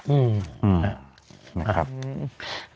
อืมนะครับ